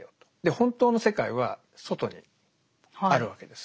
本当の世界は外にあるわけです。